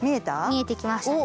見えてきましたね。